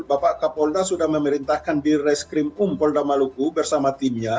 bapak kapolda sudah memerintahkan bire skrim um polda maluku bersama timnya